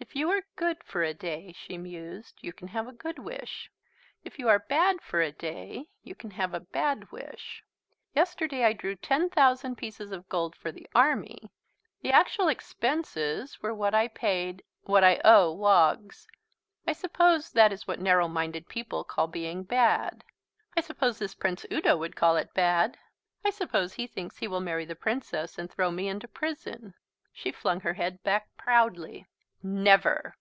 "If you are good for a day," she mused, "you can have a good wish. If you are bad for a day you can have a bad wish. Yesterday I drew ten thousand pieces of gold for the Army; the actual expenses were what I paid what I owe Woggs. ... I suppose that is what narrow minded people call being bad. ... I suppose this Prince Udo would call it bad. ... I suppose he thinks he will marry the Princess and throw me into prison." She flung her head back proudly. "Never!"